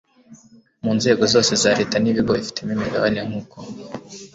mu nzego zose za leta n ibigo ifitemo imigabane nk uko